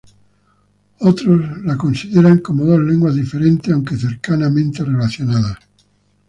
Otros las consideran como dos lenguas diferentes, aunque cercanamente relacionadas.